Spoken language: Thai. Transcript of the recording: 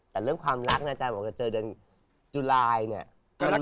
แต่เรื่องความรักนะอาจารย์บอกว่าเจอเดือนจุลายเนี่ย